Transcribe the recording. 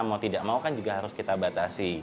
mau tidak mau kan juga harus kita batasi